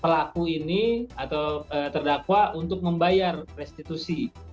pelaku ini atau terdakwa untuk membayar restitusi